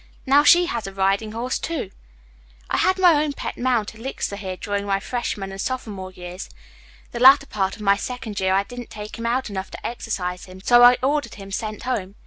Now she has a riding horse, too." "I had my own pet mount, Elixir, here during my freshman and sophomore years. The latter part of my second year I didn't take him out enough to exercise him. So I ordered him sent home.